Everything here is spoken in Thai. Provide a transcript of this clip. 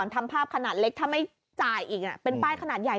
ทำภาพขนาดเล็กถ้าไม่จ่ายอีกเป็นป้ายขนาดใหญ่